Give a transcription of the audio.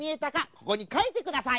ここにかいてください！